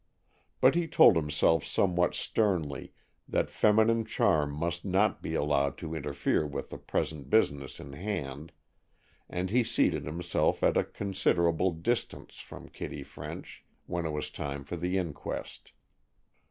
But he told himself somewhat sternly that feminine charm must not be allowed to interfere with the present business in hand, and he seated himself at a considerable distance from Kitty French, when it was time for the inquest.